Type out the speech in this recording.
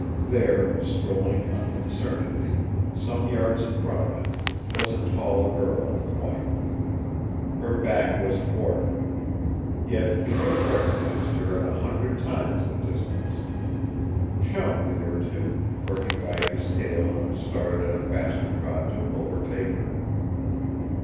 There, strolling unconcernedly, some yards in front of him, was a tall girl in white. Her back was toward him. Yet he would have recognized her at a hundred times the distance. Chum knew her, too, for he wagged his tail and started at a faster trot to overtake her.